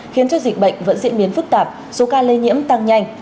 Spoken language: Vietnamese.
khiến cho dịch bệnh vẫn diễn biến phức tạp số ca lây nhiễm tăng nhanh